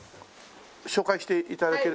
紹介して頂ける？